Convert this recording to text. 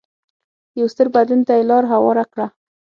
یو ستر بدلون ته یې لار هواره کړه.